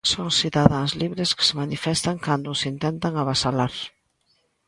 Son cidadáns libres que se manifestan cando os intentan avasalar.